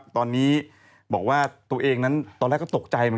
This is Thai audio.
ตอนนี้บอกว่าตัวเองนั้นตอนแรกบอกว่าตกใจ